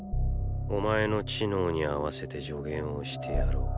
お前の知能に合わせて助言をしてやろう。